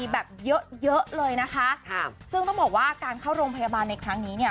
แบบเยอะเยอะเลยนะคะครับซึ่งต้องบอกว่าการเข้าโรงพยาบาลในครั้งนี้เนี่ย